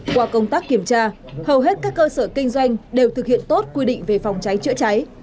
qua công tác kiểm tra hầu hết các cơ sở kinh doanh đều thực hiện tốt quy định về phòng cháy chữa cháy